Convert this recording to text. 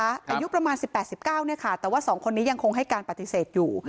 อายุประมาณ๑๘๑๙เนี่ยค่ะแต่ว่า๒คนนี้ยังคงให้การปฏิเสธอยู่